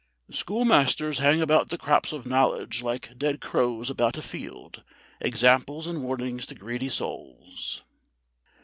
"Schoolmasters hang about the crops of knowledge like dead crows about a field, examples and warnings to greedy souls."